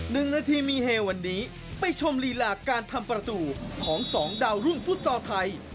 ๑นาทีมีเฮวันนี้ไปชมรีหลาการทำประตูของ๒ดาวร่วงฟุตซอลไทย